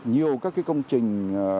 nhiều các công trình